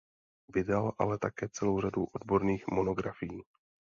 Vydal ale také celou řadu odborných monografií.